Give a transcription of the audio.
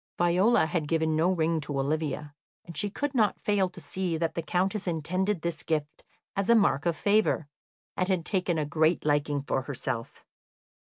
Viola had given no ring to Olivia, and she could not fail to see that the Countess intended this gift as a mark of favour, and had taken a great liking for herself.